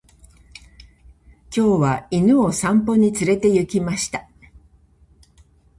今日は犬を散歩に連れて行きました。